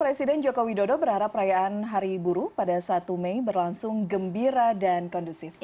presiden joko widodo berharap perayaan hari buru pada satu mei berlangsung gembira dan kondusif